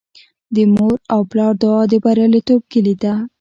د مور او پلار دعا د بریالیتوب کیلي ده.